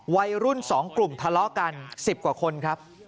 วัยรุ่น๒กลุ่มทะเลาะกัน๑๐กว่าคนครับ